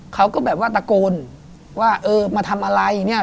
เขาก็แบบว่าตะโกนว่าเออมาทำอะไรเนี่ย